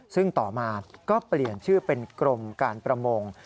ซึ่งต่อมาก็เปลี่ยนชื่อเป็นกรมการประมง